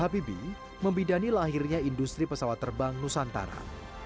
habibie membidani lahirnya industri pesawat terbang nusantara